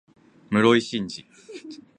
室井慎次